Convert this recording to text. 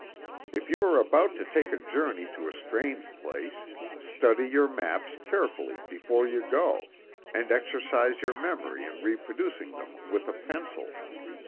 If you are about to take a journey to a strange place, study your maps carefully before you go, and exercise your memory in reproducing them with a pencil.